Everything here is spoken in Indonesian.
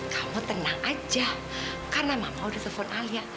kamu tenang aja karena mama udah telepon ayah